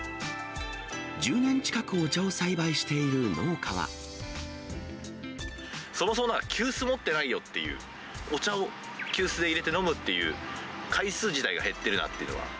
１０年近く、お茶を栽培しているそもそも急須持ってないよっていう、お茶を急須で入れて飲むっていう回数自体が減っているなっていうのが。